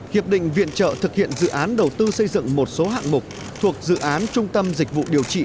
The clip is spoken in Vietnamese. hiệp định viện trợ thực hiện dự án đầu tư xây dựng một số hạng mục thuộc dự án trung tâm dịch vụ điều trị